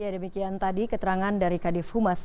ya demikian tadi keterangan dari kadif humas